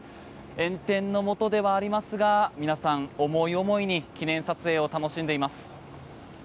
炎天の下ではありますが皆さん、思い思いに記念撮影を楽しんでいます。